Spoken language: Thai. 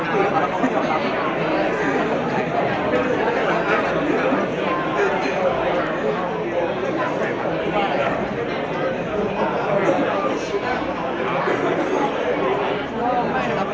คือเราก็ได้สงสัยต่อไปแล้วครับ